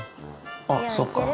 あっそっか。